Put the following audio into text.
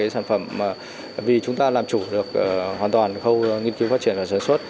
sản phẩm vì chúng ta làm chủ được hoàn toàn khâu nghiên cứu phát triển và sản xuất